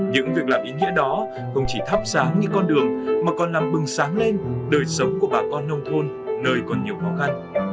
những việc làm ý nghĩa đó không chỉ thắp sáng những con đường mà còn làm bừng sáng lên đời sống của bà con nông thôn nơi còn nhiều khó khăn